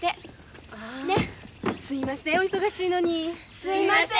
すいません！